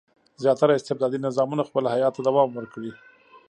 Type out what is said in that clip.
زیاتره استبدادي نظامونه خپل حیات ته دوام ورکړي.